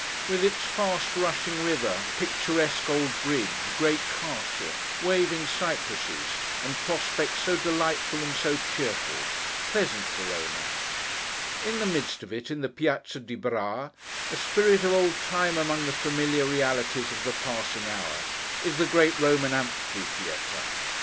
With its fast rushing river, picturesque old bridge, great castle, waving cypresses, and prospect so delightful, and so cheerful! Pleasant Verona! In the midst of it, in the Piazza di Brá—a spirit of old time among the familiar realities of the passing hour—is the great Roman Amphitheatre.